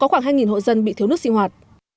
có khoảng hai hộ dân bị thiếu nước sinh hoạt